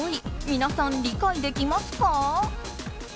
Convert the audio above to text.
皆さん、理解できますか？